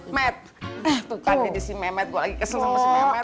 met tuh tadi si memet gua lagi kesel sama si memet